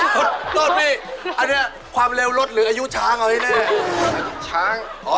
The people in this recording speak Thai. ของความเร็วรถหรืออายุช้างเอาให้แน่